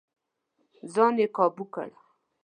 ځان يې کابو کړ.